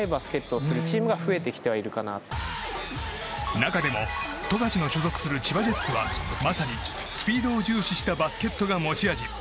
中でも、富樫の所属する千葉ジェッツはまさにスピードを重視したバスケットが持ち味。